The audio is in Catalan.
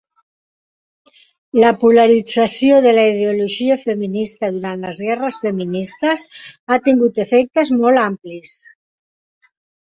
La polarització de la ideologia feminista durant les guerres feministes ha tingut efectes molt amplis.